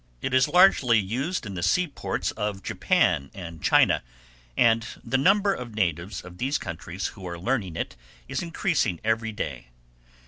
It is largely used in the seaports of Japan and China, and the number of natives of these countries who are learning it is increasing every day.